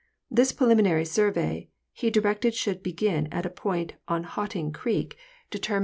This preliminary survey he directed should begin at a point on Hunting creek determined 21—Nart.